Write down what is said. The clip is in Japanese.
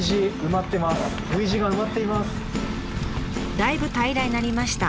だいぶ平らになりました。